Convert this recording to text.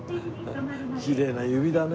きれいな指だね